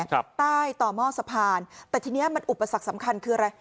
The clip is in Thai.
ใต้ต่อหม้อสะพานแต่ทีเนี้ยมันอุปสรรคสำคัญคืออะไร